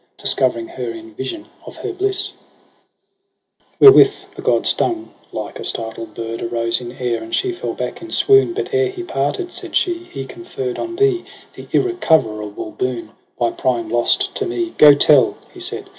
Discovering her in vision of her bliss j Wherewith the god stung, like a startled bird Arose in air, and she fell back in swoon j ' But ere he parted,' said she, ' he confer'd On thee the irrecoverable boon By prying lost to me : Go tell^ he said.